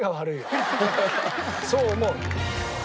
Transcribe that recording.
そう思う。